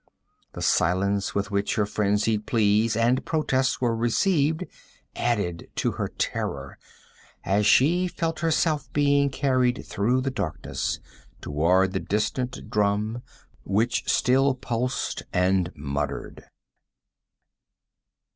The silence with which her frenzied pleas and protests were received added to her terror as she felt herself being carried through the darkness toward the distant drum which still pulsed and muttered.